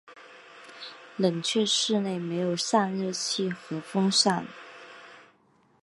冷却室内设有散热器和风扇。